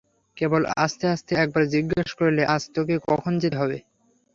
কেবল আস্তে আস্তে একবার জিজ্ঞাসা করলে, আজ তোকে কখন যেতে হবে?